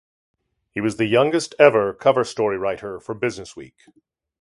He was the youngest ever cover story writer for Businessweek.